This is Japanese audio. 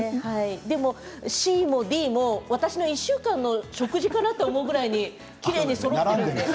でもＣもＤも１週間の食事かなと思うぐらいきれいにそろっています。